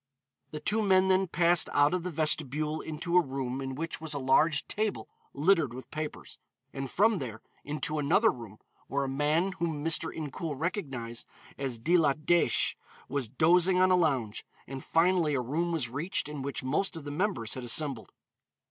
The two men then passed out of the vestibule into a room in which was a large table littered with papers, and from there into another room where a man whom Mr. Incoul recognized as De la Dèche was dozing on a lounge, and finally a room was reached in which most of the members had assembled.